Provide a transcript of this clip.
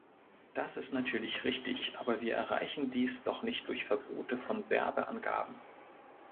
Das ist natürlich richtig, aber wir erreichen dies doch nicht durch Verbote von Werbeangaben!